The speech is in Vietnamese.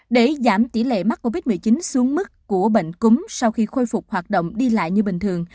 để giảm tỷ lệ mắc covid một mươi chín xuống mức của bệnh cúm sau khi khôi phục hoạt động đi lại như bình thường